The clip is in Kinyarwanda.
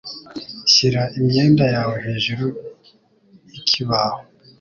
Shira imyenda yawe hejuru yikibaho.